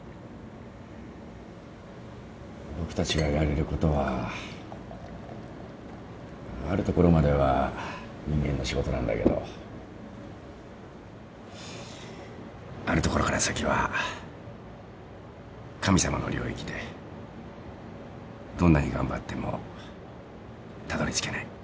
僕たちがやれることはあるところまでは人間の仕事なんだけどあるところから先は神様の領域でどんなに頑張ってもたどりつけない。